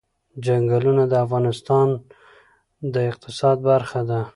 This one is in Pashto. چنګلونه د افغانستان د اقتصاد برخه ده.